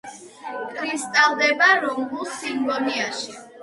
კრისტალდება რომბულ სინგონიაში.